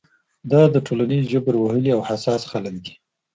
دا د ټولنیز جبر وهلي او حساس خلک دي.